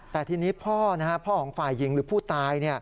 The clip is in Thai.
แต่ทีนี้พ่อพ่อของฝ่ายหญิงหรือผู้ตาย